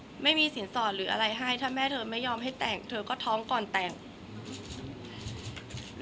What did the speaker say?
ไม่มีสินสอดหรืออะไรให้ถ้าแม่เธอไม่ยอมให้แต่งเธอก็ท้องก่อนแต่ง